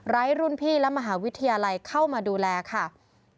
รุ่นพี่และมหาวิทยาลัยเข้ามาดูแลค่ะ